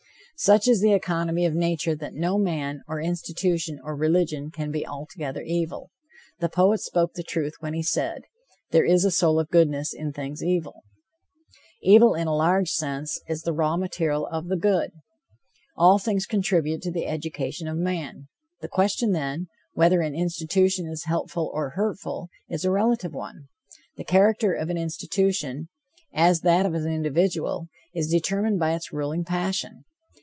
Such is the economy of nature that no man, or institution or religion, can be altogether evil. The poet spoke the truth when he said: "There is a soul of goodness in things evil." Evil, in a large sense, is the raw material of the good. All things contribute to the education of man. The question, then, whether an institution is helpful or hurtful, is a relative one. The character of an institution, as that of an individual, is determined by its ruling passion.